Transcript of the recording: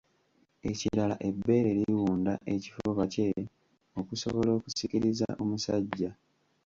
Ekirala ebbeere liwunda ekifuba kye okusobola okusikiriza omusajja.